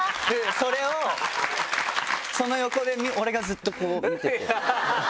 それをその横で俺がずっとこう見てて。